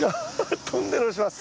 トンネルをします。